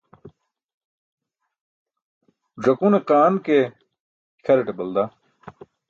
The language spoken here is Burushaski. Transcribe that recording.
Ẓakune qaan ne ikʰaraṭe balda.